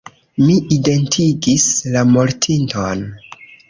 Mi identigis la mortinton.